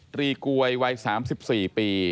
ตรีกวยวัย๓๔ปี